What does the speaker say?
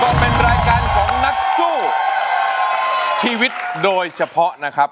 ก็เป็นรายการของนักสู้ชีวิตโดยเฉพาะนะครับ